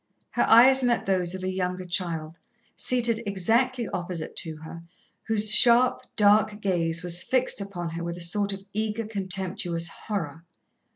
Her eyes met those of a younger child, seated exactly opposite to her, whose sharp, dark gaze was fixed upon her with a sort of eager, contemptuous horror.